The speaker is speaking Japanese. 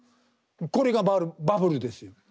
これがバブルですよ。